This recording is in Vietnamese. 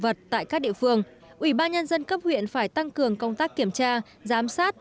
vật tại các địa phương ủy ban nhân dân cấp huyện phải tăng cường công tác kiểm tra giám sát